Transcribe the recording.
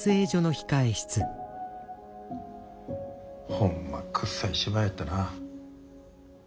ホンマくっさい芝居やったな。